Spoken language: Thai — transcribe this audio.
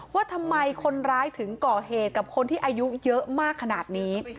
ว่าทำไมคนร้ายถึงก่อเหตุกับคนที่อายุเยอะมากขนาดนี้